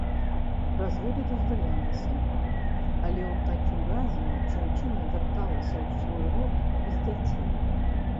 Разводы дазваляліся, але ў такім разе жанчына вярталася ў свой род без дзяцей.